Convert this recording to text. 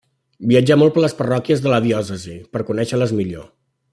Viatjà molt per les parròquies de la diòcesi, per conèixer-les millor.